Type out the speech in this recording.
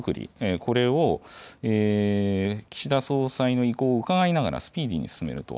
これを岸田総裁の意向を伺いながらスピーディーに進めると。